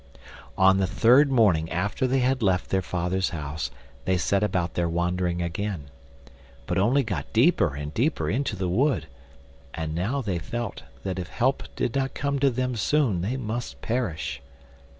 On the third morning after they had left their father's house they set about their wandering again, but only got deeper and deeper into the wood, and now they felt that if help did not come to them soon they must perish.